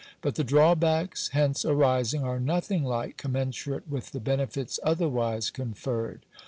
But the drawbacks hence arising are nothing like com* mensurate with the benefits otherwise conferred.